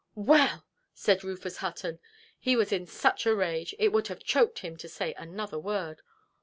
"Well"! said Rufus Hutton. He was in such a rage, it would have choked him to say another word.